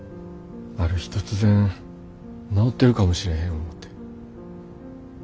ある日突然治ってるかもしれへん思て。